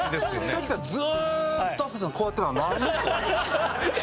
さっきからずーっと飛鳥さんこうやってるのはなんでですか？